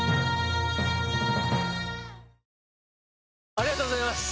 ありがとうございます！